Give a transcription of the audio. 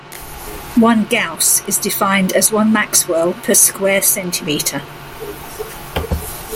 One gauss is defined as one maxwell per square centimeter.